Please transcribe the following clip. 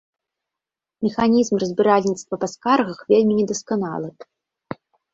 Механізм разбіральніцтва па скаргах вельмі недасканалы.